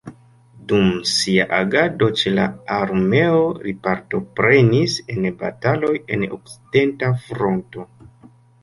Dum sia agado ĉe la armeo li partoprenis en bataloj en okcidenta fronto.